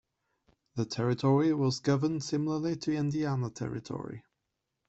The Territory was governed similarly to Indiana Territory.